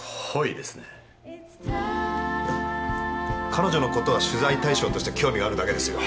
彼女のことは取材対象として興味があるだけですよ。